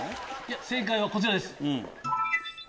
正解はこちらです。